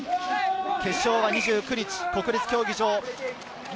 決勝は２９日、国立競技場。